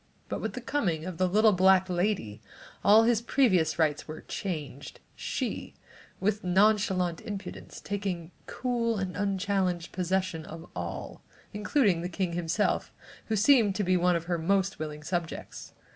But with the coming of the little black lady all his previous rights were changed, she, with nonchalant impudence, taking cool and unchallenged possession of all, including the king himself, who seemed one of her most willing subjects.